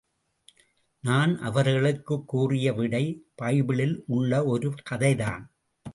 நான் அவர்களுக்குக் கூறிய விடை பைபிளில் உள்ள ஒரு கதைதான்.